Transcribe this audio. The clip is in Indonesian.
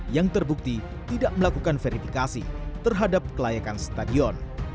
yang terbukti tidak melakukan verifikasi terhadap kelayakan stadion